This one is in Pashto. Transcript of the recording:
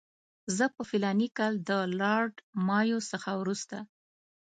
زه په فلاني کال کې د لارډ مایو څخه وروسته.